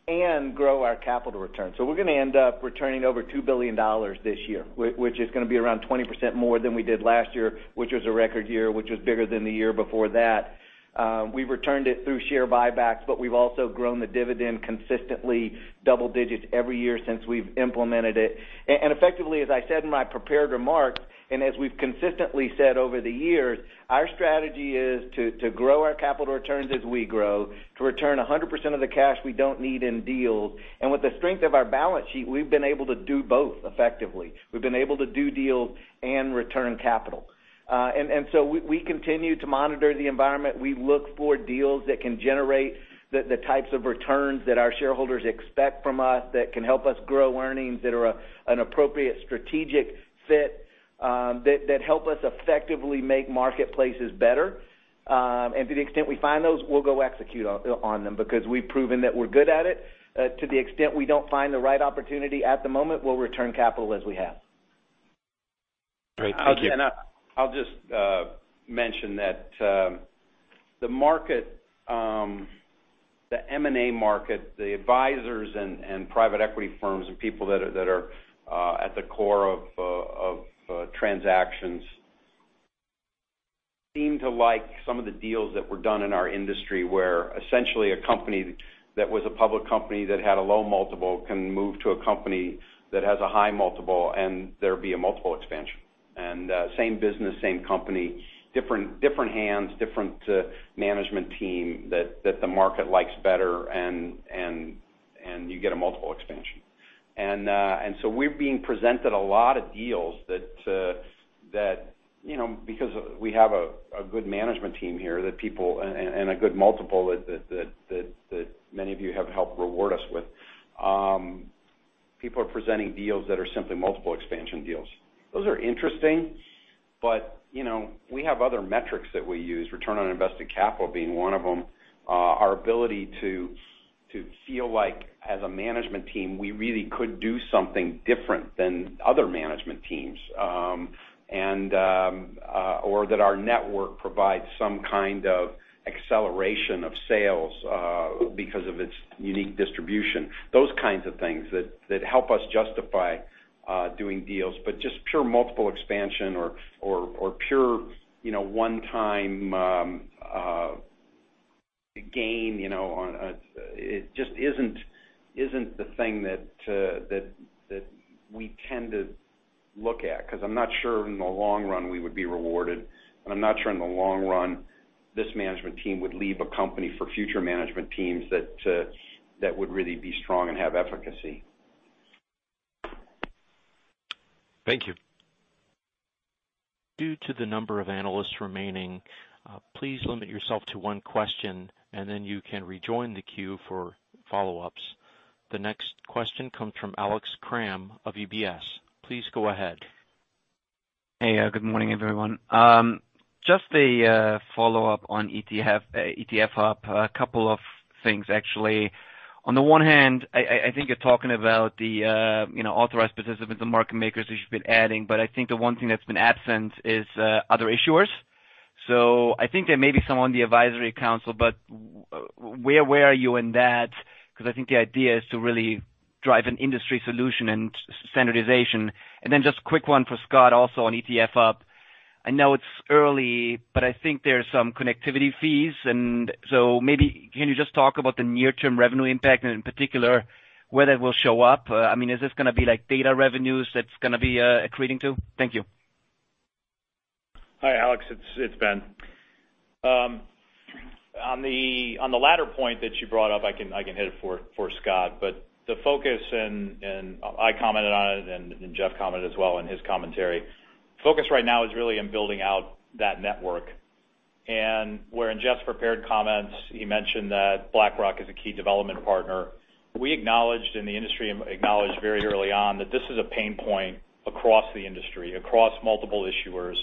and grow our capital return. We're going to end up returning over $2 billion this year, which is going to be around 20% more than we did last year, which was a record year, which was bigger than the year before that. We returned it through share buybacks, but we've also grown the dividend consistently double digits every year since we've implemented it. Effectively, as I said in my prepared remarks, and as we've consistently said over the years, our strategy is to grow our capital returns as we grow, to return 100% of the cash we don't need in deals. With the strength of our balance sheet, we've been able to do both effectively. We've been able to do deals and return capital. We continue to monitor the environment. We look for deals that can generate the types of returns that our shareholders expect from us, that can help us grow earnings, that are an appropriate strategic fit, that help us effectively make marketplaces better. To the extent we find those, we'll go execute on them because we've proven that we're good at it. To the extent we don't find the right opportunity at the moment, we'll return capital as we have. Great. Thank you. I'll just mention that the M&A market, the advisors and private equity firms and people that are at the core of transactions seem to like some of the deals that were done in our industry where essentially a company that was a public company that had a low multiple can move to a company that has a high multiple and there be a multiple expansion, same business, same company, different hands, different management team that the market likes better. You get a multiple expansion. We're being presented a lot of deals because we have a good management team here, and a good multiple that many of you have helped reward us with. People are presenting deals that are simply multiple expansion deals. Those are interesting, but we have other metrics that we use, return on invested capital being one of them. Our ability to feel like as a management team, we really could do something different than other management teams, or that our network provides some kind of acceleration of sales because of its unique distribution, those kinds of things that help us justify doing deals. Just pure multiple expansion or pure one-time gain, it just isn't the thing that we tend to look at. Because I'm not sure in the long run we would be rewarded, and I'm not sure in the long run, this management team would leave a company for future management teams that would really be strong and have efficacy. Thank you. Due to the number of analysts remaining, please limit yourself to one question, and then you can rejoin the queue for follow-ups. The next question comes from Alex Kramm of UBS. Please go ahead. Hey, good morning, everyone. Just a follow-up on ICE ETF Hub, a couple of things, actually. On the one hand, I think you're talking about the authorized participants and market makers that you've been adding. I think the one thing that's been absent is other issuers. I think there may be some on the advisory council, but where are you in that? Because I think the idea is to really drive an industry solution and standardization. Just a quick one for Scott, also on ICE ETF Hub. I know it's early, but I think there's some connectivity fees, and so maybe can you just talk about the near-term revenue impact and in particular, where that will show up? Is this going to be data revenues that's going to be accreting to? Thank you. Hi, Alex. It's Ben. On the latter point that you brought up, I can hit it for Scott. The focus, and I commented on it, and Jeff commented as well in his commentary. Focus right now is really in building out that network. Where in Jeff's prepared comments, he mentioned that BlackRock is a key development partner. We acknowledged, and the industry acknowledged very early on that this is a pain point across the industry, across multiple issuers,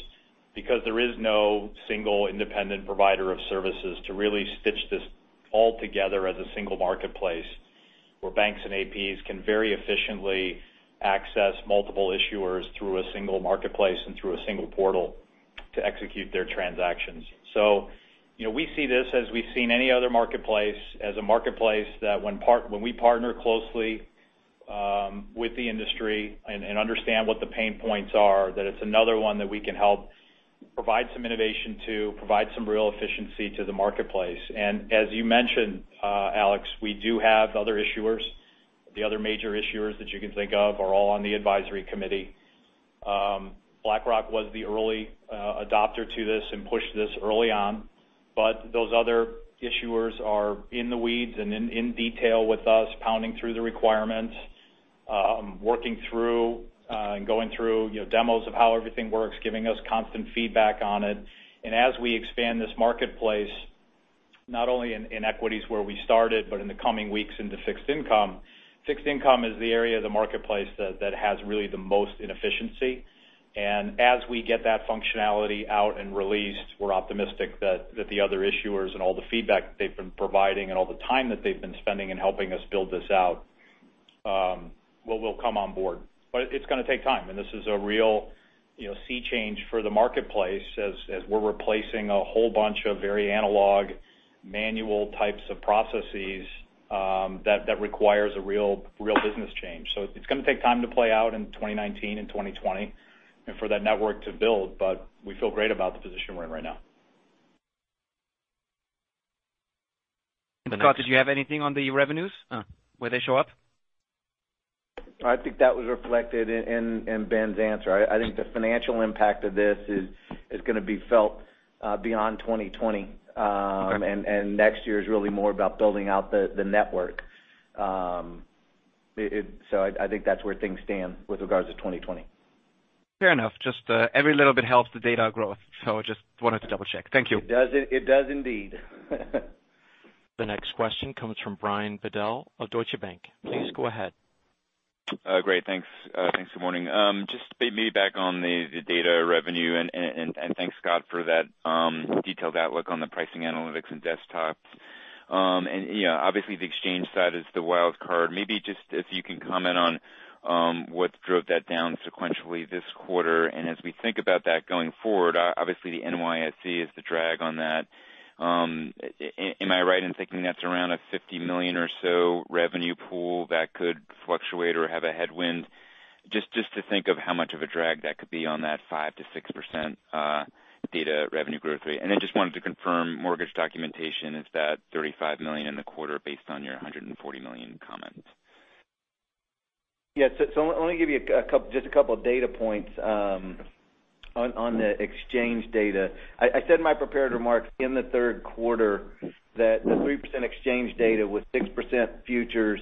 because there is no single independent provider of services to really stitch this all together as a single marketplace, where banks and APs can very efficiently access multiple issuers through a single marketplace and through a single portal to execute their transactions. We see this as we've seen any other marketplace, as a marketplace that when we partner closely with the industry and understand what the pain points are, that it's another one that we can help provide some innovation to, provide some real efficiency to the marketplace. As you mentioned, Alex, we do have other issuers. The other major issuers that you can think of are all on the advisory committee. BlackRock was the early adopter to this and pushed this early on, but those other issuers are in the weeds and in detail with us, pounding through the requirements, working through and going through demos of how everything works, giving us constant feedback on it. As we expand this marketplace, not only in equities where we started, but in the coming weeks into fixed income. Fixed income is the area of the marketplace that has really the most inefficiency. As we get that functionality out and released, we're optimistic that the other issuers and all the feedback they've been providing and all the time that they've been spending in helping us build this out will come on board. It's going to take time, and this is a real sea change for the marketplace as we're replacing a whole bunch of very analog, manual types of processes that requires a real business change. It's going to take time to play out in 2019 and 2020 and for that network to build, but we feel great about the position we're in right now. Scott, did you have anything on the revenues, where they show up? I think that was reflected in Ben's answer. I think the financial impact of this is going to be felt beyond 2020. Okay. Next year is really more about building out the network. I think that's where things stand with regards to 2020. Fair enough. Just every little bit helps the data growth. I just wanted to double-check. Thank you. It does indeed. The next question comes from Brian Bedell of Deutsche Bank. Please go ahead. Great. Thanks. Thanks, good morning. Just maybe back on the data revenue. Thanks, Scott, for that detailed outlook on the pricing analytics and desktops. Obviously, the exchange side is the wild card. Maybe just if you can comment on what drove that down sequentially this quarter. As we think about that going forward, obviously the NYSE is the drag on that. Am I right in thinking that's around a $50 million or so revenue pool that could fluctuate or have a headwind? Just to think of how much of a drag that could be on that 5%-6% data revenue growth rate. Then just wanted to confirm mortgage documentation. Is that $35 million in the quarter based on your $140 million comment? Yes. Let me give you just a couple of data points on the exchange data. I said in my prepared remarks in the third quarter that the 3% exchange data was 6% futures,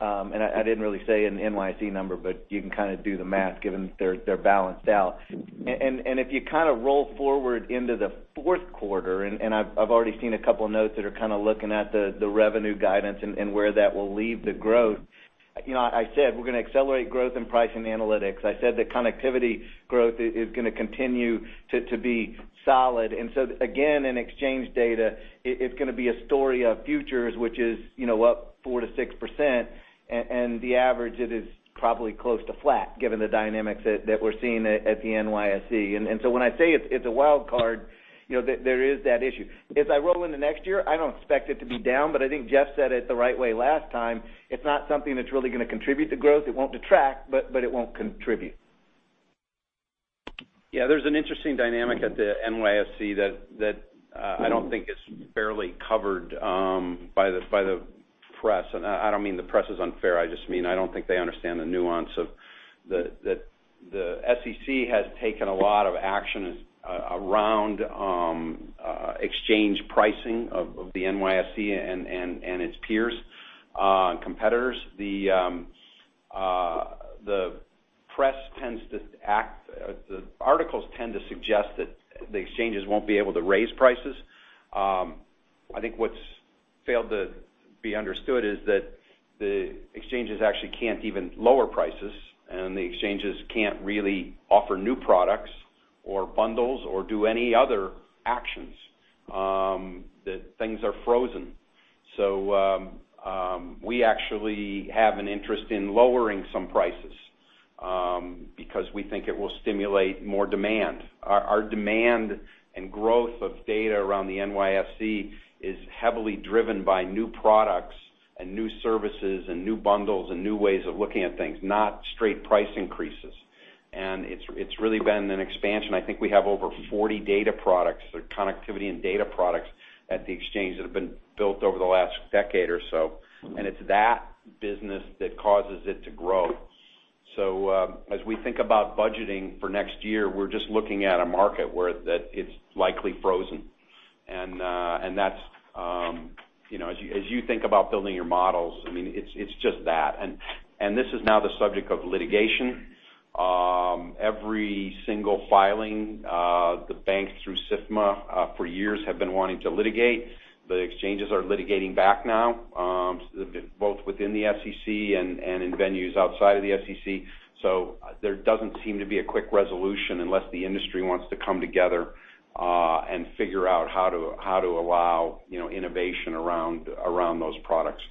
and I didn't really say an NYSE number, but you can kind of do the math given they're balanced out. If you kind of roll forward into the fourth quarter, and I've already seen a couple of notes that are kind of looking at the revenue guidance and where that will leave the growth. I said we're going to accelerate growth in pricing analytics. I said that connectivity growth is going to continue to be solid. Again, in exchange data, it's going to be a story of futures, which is up 4%-6%, and the average it is probably close to flat given the dynamics that we're seeing at the NYSE. When I say it's a wild card, there is that issue. As I roll into next year, I don't expect it to be down, but I think Jeff said it the right way last time. It's not something that's really going to contribute to growth. It won't detract, but it won't contribute. Yeah. There's an interesting dynamic at the NYSE that I don't think is fairly covered by the press, and I don't mean the press is unfair. I just mean I don't think they understand the nuance. SEC has taken a lot of action around exchange pricing of the NYSE and its peers, competitors. The articles tend to suggest that the exchanges won't be able to raise prices. I think what's failed to be understood is that the exchanges actually can't even lower prices, and the exchanges can't really offer new products or bundles or do any other actions, that things are frozen. We actually have an interest in lowering some prices, because we think it will stimulate more demand. Our demand and growth of data around the NYSE is heavily driven by new products and new services and new bundles and new ways of looking at things, not straight price increases. It's really been an expansion. I think we have over 40 data products or connectivity and data products at the exchange that have been built over the last decade or so. It's that business that causes it to grow. As we think about budgeting for next year, we're just looking at a market where that it's likely frozen. As you think about building your models, it's just that. This is now the subject of litigation. Every single filing, the bank through SIFMA, for years have been wanting to litigate. The exchanges are litigating back now, both within the SEC and in venues outside of the SEC. There doesn't seem to be a quick resolution unless the industry wants to come together, and figure out how to allow innovation around those products,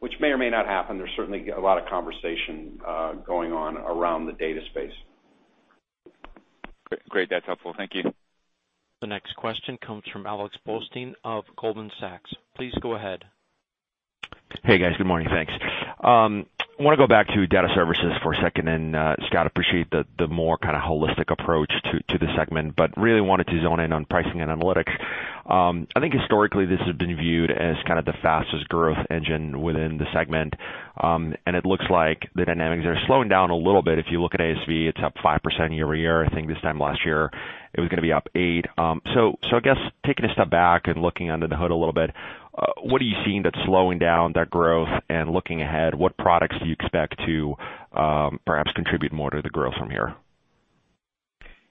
which may or may not happen. There's certainly a lot of conversation going on around the data space. Great. That's helpful. Thank you. The next question comes from Alex Blostein of Goldman Sachs. Please go ahead. Hey, guys. Good morning. Thanks. I want to go back to ICE Data Services for a second, and, Scott, appreciate the more kind of holistic approach to the segment, but really wanted to zone in on pricing and analytics. I think historically, this has been viewed as kind of the fastest growth engine within the segment. It looks like the dynamics are slowing down a little bit. If you look at ASV, it's up 5% year-over-year. I think this time last year it was going to be up 8%. I guess taking a step back and looking under the hood a little bit, what are you seeing that's slowing down that growth? Looking ahead, what products do you expect to perhaps contribute more to the growth from here?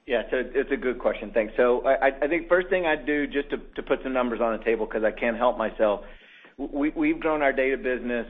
Yeah. It's a good question. Thanks. I think first thing I'd do just to put some numbers on the table, because I can't help myself. We've grown our Data business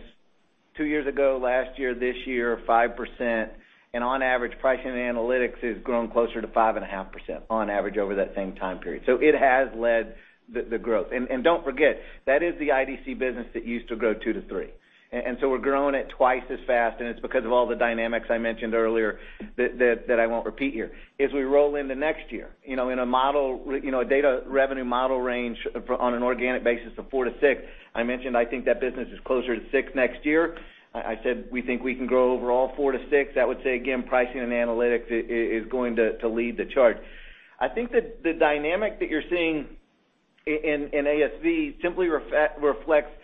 two years ago, last year, this year, 5%, and on average, Pricing and Analytics has grown closer to 5.5% on average over that same time period. It has led the growth. Don't forget, that is the IDC business that used to grow two to three. We're growing it twice as fast, and it's because of all the dynamics I mentioned earlier that I won't repeat here. As we roll into next year, in a Data revenue model range on an organic basis of 4-6, I mentioned, I think that business is closer to six next year. I said we think we can grow overall 4-6. That would say, again, pricing and analytics is going to lead the charge. I think that the dynamic that you're seeing in ASV simply reflects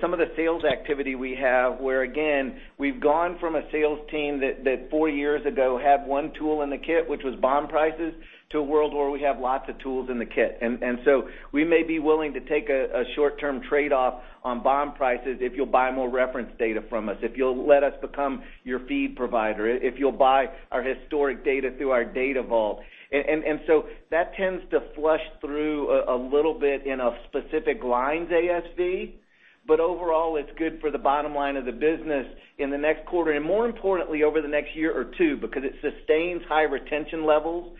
some of the sales activity we have, where again, we've gone from a sales team that four years ago had one tool in the kit, which was bond prices, to a world where we have lots of tools in the kit. We may be willing to take a short-term trade-off on bond prices if you'll buy more reference data from us, if you'll let us become your feed provider, if you'll buy our historic data through our DataVault. That tends to flush through a little bit in a specific lines ASV. Overall, it's good for the bottom line of the business in the next quarter, and more importantly, over the next year or two, because it sustains high retention levels.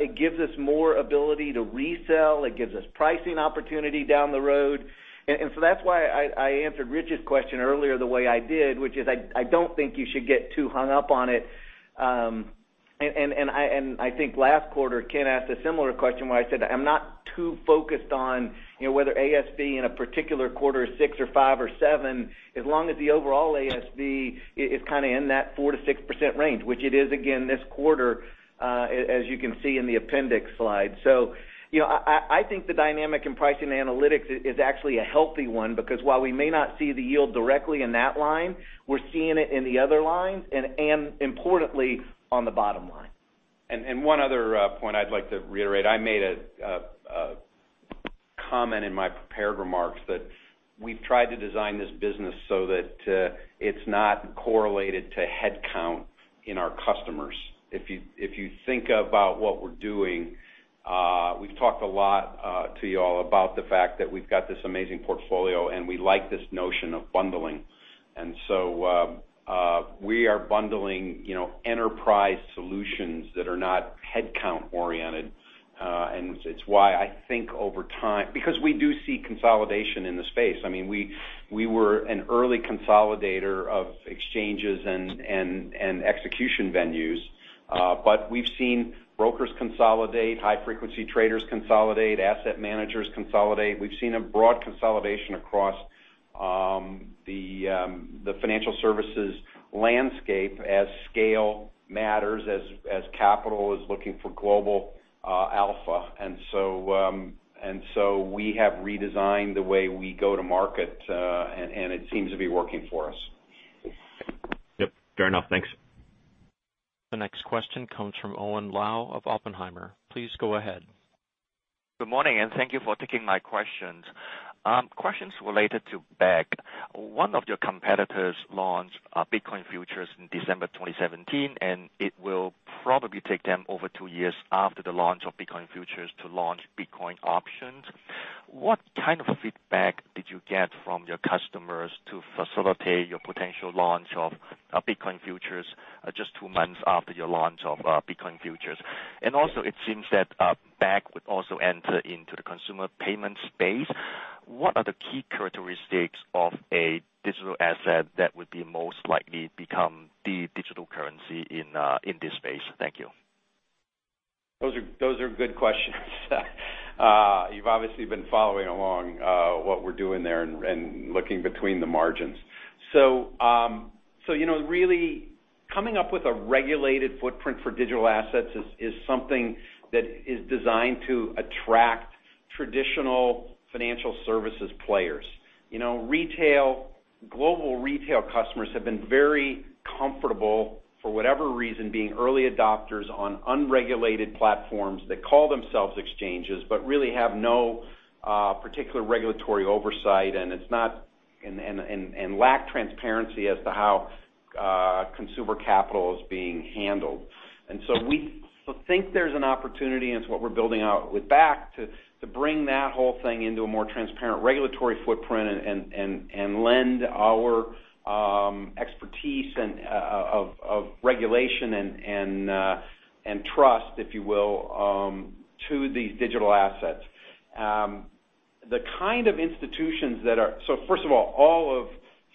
It gives us more ability to resell. It gives us pricing opportunity down the road. That's why I answered Rich's question earlier the way I did, which is, I don't think you should get too hung up on it. I think last quarter, Ken asked a similar question where I said, I'm not too focused on whether ASV in a particular quarter is six or five or seven, as long as the overall ASV is kind of in that 4%-6% range. Which it is again this quarter, as you can see in the appendix slide. I think the dynamic in pricing analytics is actually a healthy one because while we may not see the yield directly in that line, we're seeing it in the other lines and importantly, on the bottom line. One other point I'd like to reiterate, I made a comment in my prepared remarks that we've tried to design this business so that it's not correlated to headcount in our customers. If you think about what we're doing, we've talked a lot to you all about the fact that we've got this amazing portfolio, and we like this notion of bundling. We are bundling enterprise solutions that are not headcount-oriented. It's why I think over time, because we do see consolidation in the space. We were an early consolidator of exchanges and execution venues. We've seen brokers consolidate, high-frequency traders consolidate, asset managers consolidate. We've seen a broad consolidation across the financial services landscape as scale matters, as capital is looking for global alpha. We have redesigned the way we go to market, and it seems to be working for us. Yep, fair enough. Thanks. The next question comes from Owen Lau of Oppenheimer. Please go ahead. Good morning, and thank you for taking my questions. Questions related to Bakkt. One of your competitors launched Bitcoin futures in December 2017, and it will probably take them over two years after the launch of Bitcoin futures to launch Bitcoin options. What kind of feedback did you get from your customers to facilitate your potential launch of Bitcoin futures just two months after your launch of Bitcoin futures? Also it seems that Bakkt would also enter into the consumer payment space. What are the key characteristics of a digital asset that would be most likely become the digital currency in this space? Thank you. Those are good questions. You've obviously been following along what we're doing there and looking between the margins. Really coming up with a regulated footprint for digital assets is something that is designed to attract traditional financial services players. Global retail customers have been very comfortable, for whatever reason, being early adopters on unregulated platforms that call themselves exchanges, but really have no particular regulatory oversight, and lack transparency as to how consumer capital is being handled. We think there's an opportunity, and it's what we're building out with Bakkt, to bring that whole thing into a more transparent regulatory footprint and lend our expertise of regulation and trust, if you will, to these digital assets. First of all of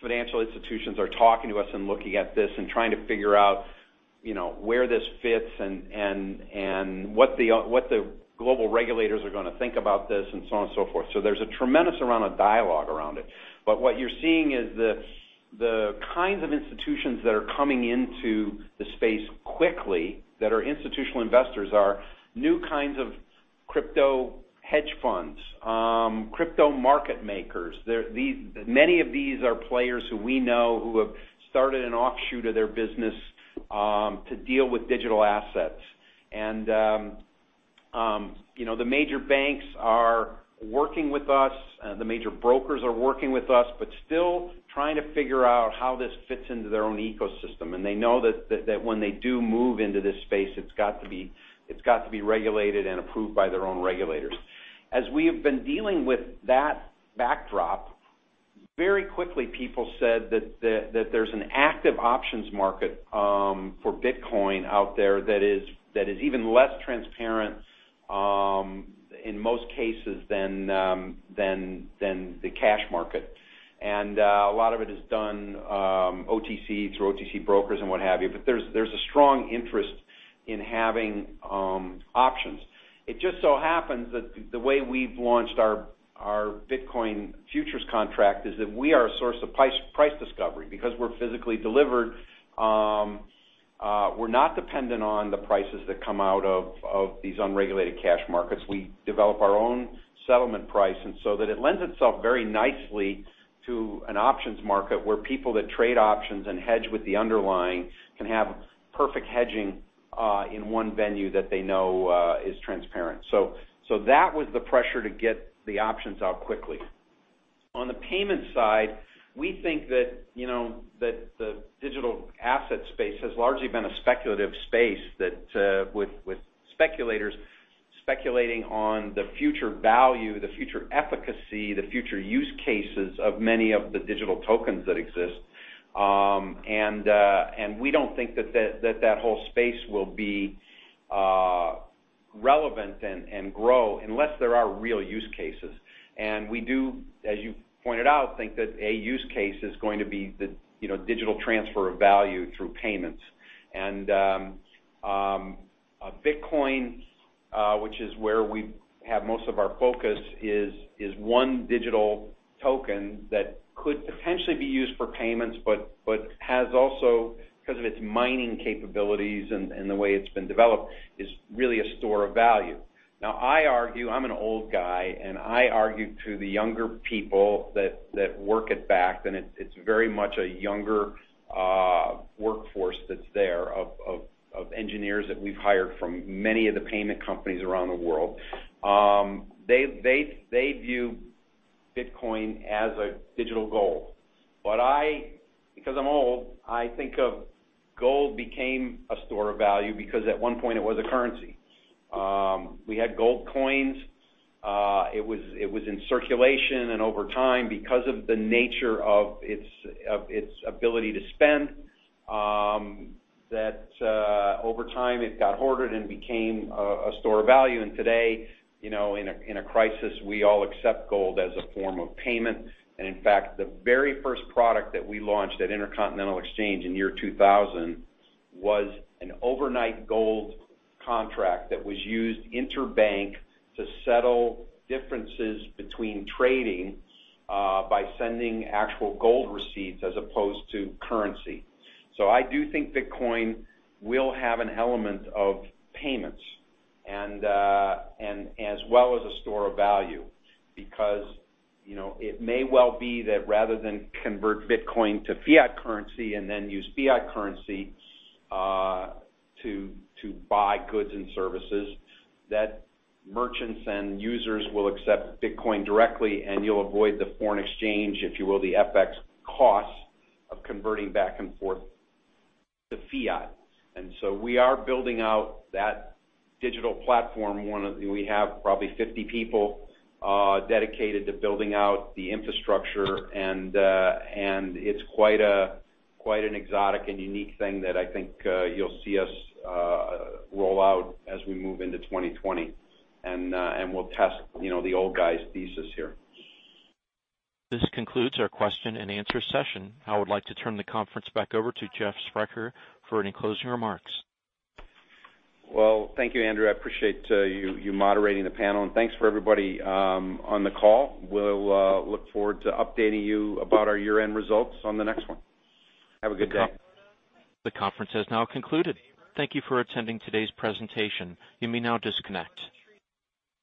financial institutions are talking to us and looking at this and trying to figure out where this fits and what the global regulators are going to think about this and so on and so forth. There's a tremendous amount of dialogue around it. What you're seeing is the kinds of institutions that are coming into the space quickly that are institutional investors are new kinds of crypto hedge funds, crypto market makers. Many of these are players who we know who have started an offshoot of their business to deal with digital assets. The major banks are working with us, the major brokers are working with us, but still trying to figure out how this fits into their own ecosystem. They know that when they do move into this space, it's got to be regulated and approved by their own regulators. As we have been dealing with that backdrop, very quickly, people said that there's an active options market for Bitcoin out there that is even less transparent, in most cases, than the cash market. A lot of it is done OTC, through OTC brokers and what have you. There's a strong interest in having options. It just so happens that the way we've launched our Bitcoin futures contract is that we are a source of price discovery because we're physically delivered. We're not dependent on the prices that come out of these unregulated cash markets. We develop our own settlement price and so that it lends itself very nicely to an options market where people that trade options and hedge with the underlying can have perfect hedging in one venue that they know is transparent. That was the pressure to get the options out quickly. On the payment side, we think that the digital asset space has largely been a speculative space that with speculators speculating on the future value, the future efficacy, the future use cases of many of the digital tokens that exist. We don't think that whole space will be relevant and grow unless there are real use cases. We do, as you pointed out, think that a use case is going to be the digital transfer of value through payments. Bitcoin, which is where we have most of our focus, is one digital token that could potentially be used for payments, but has also, because of its mining capabilities and the way it's been developed, is really a store of value. I argue, I'm an old guy, and I argue to the younger people that work at Bakkt, and it's very much a younger workforce that's there of engineers that we've hired from many of the payment companies around the world. They view Bitcoin as a digital gold. I, because I'm old, I think of gold became a store of value because at one point it was a currency. We had gold coins. It was in circulation, and over time, because of the nature of its ability to spend, that over time it got hoarded and became a store of value. Today, in a crisis, we all accept gold as a form of payment. In fact, the very first product that we launched at Intercontinental Exchange in year 2000 was an overnight gold contract that was used interbank to settle differences between trading by sending actual gold receipts as opposed to currency. I do think Bitcoin will have an element of payments and as well as a store of value, because it may well be that rather than convert Bitcoin to fiat currency and then use fiat currency to buy goods and services, that merchants and users will accept Bitcoin directly and you'll avoid the foreign exchange, if you will, the FX cost of converting back and forth to fiat. We are building out that digital platform. We have probably 50 people dedicated to building out the infrastructure, it's quite an exotic and unique thing that I think you'll see us roll out as we move into 2020. We'll test the old guy's thesis here. This concludes our question and answer session. I would like to turn the conference back over to Jeff Sprecher for any closing remarks. Well, thank you, Andrew. I appreciate you moderating the panel, and thanks for everybody on the call. We'll look forward to updating you about our year-end results on the next one. Have a good day. The conference has now concluded. Thank you for attending today's presentation. You may now disconnect.